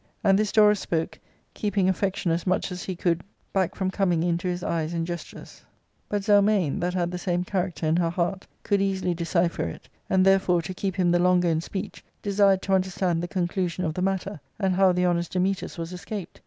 And this Dorus spoke, keeping affection as much as he could back from coming into his eyes and gestures. But Zelmane^that had the same character in her ^eart^ could easily_4ecipher it, and therefore, to keep him the longer in speech, desired to understand the conclusion of the matter, and how the honest Dametas was escaped.